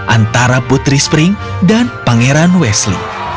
antara putri spring dan pangeran wesley